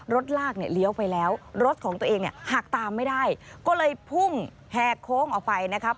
ลากเนี่ยเลี้ยวไปแล้วรถของตัวเองเนี่ยหักตามไม่ได้ก็เลยพุ่งแหกโค้งออกไปนะครับ